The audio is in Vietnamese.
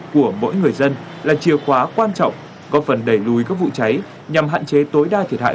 của mỗi người dân là chìa khóa quan trọng có phần đẩy lùi các vụ cháy nhằm hạn chế tối đa thiệt hại